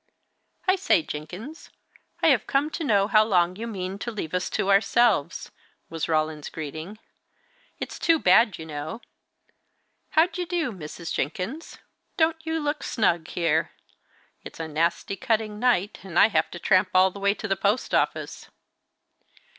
"I say, Jenkins, I have come to know how long you mean to leave us to ourselves?" was Roland's greeting. "It's too bad, you know. How d'ye do, Mrs. Jenkins? Don't you look snug here? It's a nasty cutting night, and I have to tramp all the way to the post office."